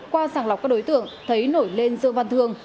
qua sàng lọc các đối tượng thấy nổi lên dương văn thương